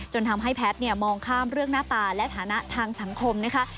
ทำให้แพทย์มองข้ามเรื่องหน้าตาและฐานะทางสังคมนะคะ